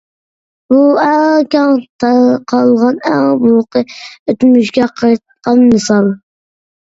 بۇ ئەڭ كەڭ تارقالغان، ئەڭ بۇرۇنقى ئۆتمۈشكە قايتقان مىسال.